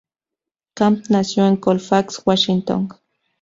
Camp nació en Colfax, Washington.